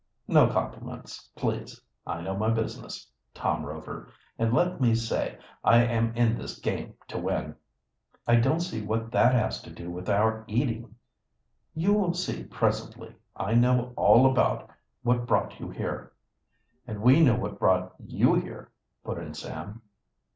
"No compliments, please. I know my business, Tom Rover; and let me say I am in this game to win." "I don't see what that has to do with our eating." "You will see presently. I know all about what brought you here." "And we know what brought you here," put in Sam.